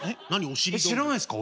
知らないですか？